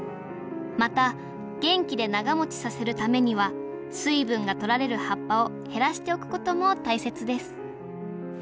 また元気で長もちさせるためには水分が取られる葉っぱを減らしておくことも大切です